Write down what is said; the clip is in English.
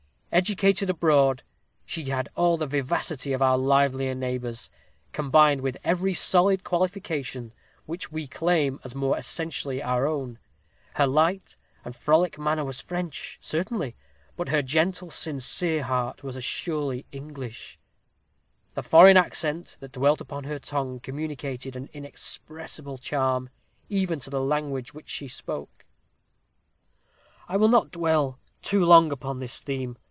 "Educated abroad, she had all the vivacity of our livelier neighbors, combined with every solid qualification which we claim as more essentially our own. Her light and frolic manner was French, certainly; but her gentle, sincere heart was as surely English. The foreign accent that dwelt upon her tongue communicated an inexpressible charm, even to the language which she spoke. "I will not dwell too long upon this theme.